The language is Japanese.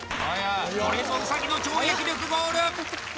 これぞウサギの跳躍力ゴール！